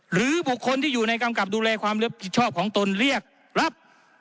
หรือบุคคลที่อยู่ในกำกับดูแลความรับผิดชอบของตนเรียกรับ